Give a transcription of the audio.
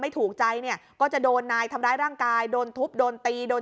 ถูกใจเนี่ยก็จะโดนนายทำร้ายร่างกายโดนทุบโดนตีโดน